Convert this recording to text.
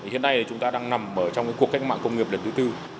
hiện nay chúng ta đang nằm trong cuộc cách mạng công nghiệp lần thứ tư